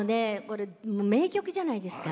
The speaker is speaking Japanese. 名曲じゃないですか。